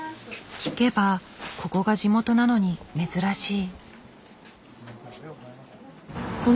聞けばここが地元なのに珍しい。